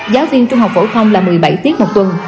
giáo viên trung học phổ thông là một mươi bảy tiết một tuần